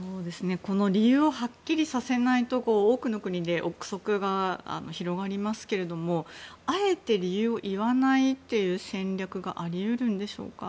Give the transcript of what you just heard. この理由をはっきりさせないと、多くの国で憶測が広がりますけれどもあえて理由を言わないという戦略があり得るんでしょうか。